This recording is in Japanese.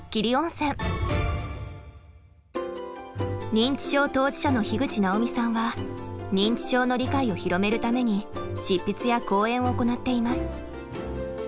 認知症当事者の樋口直美さんは認知症の理解を広めるために執筆や講演を行っています。